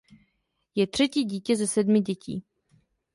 Je třetí dítě se sedmi dětí.